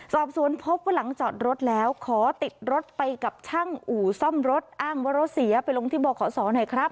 สอบสวนพบว่าหลังจอดรถแล้วขอติดรถไปกับช่างอู่ซ่อมรถอ้างว่ารถเสียไปลงที่บขศหน่อยครับ